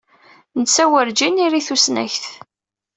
Netta werǧin iri tusnakt.